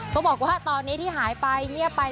บอกว่าตอนนี้ที่หายไปเงียบไป